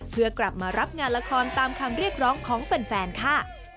เพื่อกลับมารับงานละครตามคำเรียกร้องของแฟนค่ะ